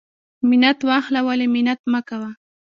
ـ منت واخله ولی منت مکوه.